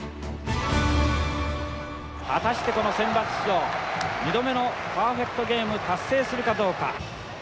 果たしてこのセンバツ史上２度目のパーフェクトゲーム達成するかどうか。